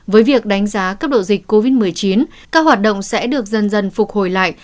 với việc đánh giá cấp độ dịch covid một mươi chín các hoạt động sẽ được dần dần phục hồi lại